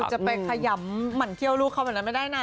จะไปขยำหมั่นเขี้ยวลูกเขาแบบนั้นไม่ได้นะ